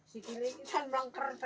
si kiling ini terus terbangker